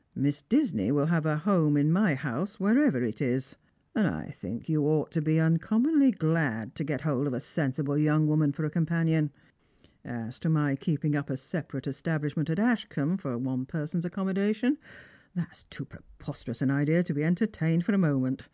" Miss Disney will have a home in my house wherever it is. And I think you ought to be uncommonly glad to get hold of a sensible young woman for a companion. As to my keeping up a. separate establishment at Ashcombe for one person's accom modation, that's too preposterous an idea to be entertained for a moment.